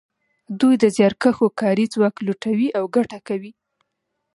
دوی د زیارکښو کاري ځواک لوټوي او ګټه کوي